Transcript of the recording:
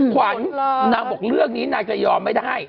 ขวัญนางบอกเรื่องนี้นางจะยอมไม่ได้